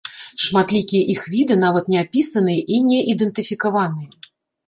Шматлікія іх віды нават не апісаныя і не ідэнтыфікаваныя.